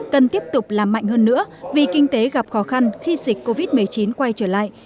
cần tiếp tục làm mạnh hơn nữa vì kinh tế gặp khó khăn khi dịch covid một mươi chín quay trở lại